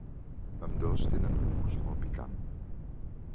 Ambdós tenen un gust molt picant.